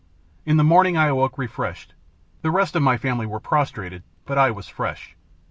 In the morning I awoke refreshed. The rest of my family were prostrated, but I was fresh.